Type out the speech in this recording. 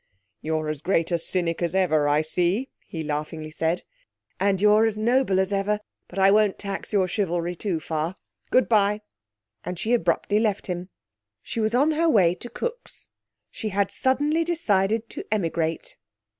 'You're as great a cynic as ever, I see,' he laughingly said. 'And you're as noble as ever. But I won't tax your chivalry too far. Good bye,' and she abruptly left him. She was on her way to Cook's. She had suddenly decided to emigrate.